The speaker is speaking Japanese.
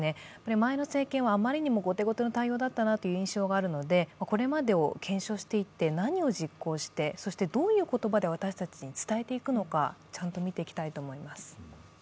前の政権はあまりにも後手後手の対応だったという印象があるのでこれまでを検証していって、何を実行していって、そしてどういう言葉で私たちに伝えていくのか、ちゃんと見ていきたいと思います。